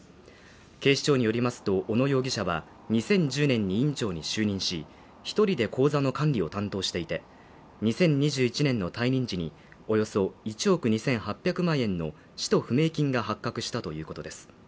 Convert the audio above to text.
警視庁によりますと小野容疑者は２０１０年に委員長に就任し、１人で口座の管理を担当していて、２０２１年の退任時に、およそ１億２８００万円の使途不明金が発覚したということです。